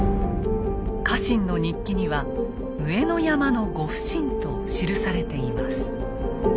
家臣の日記には「上之山之御普請」と記されています。